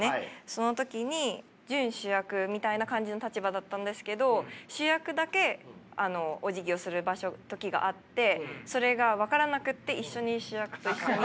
その時に準主役みたいな感じの立場だったんですけど主役だけおじぎをする時があってそれが分からなくて一緒に主役と一緒に。